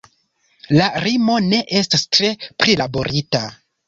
La rimo ne estas tre prilaborita.